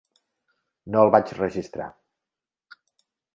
No el vaig registrar.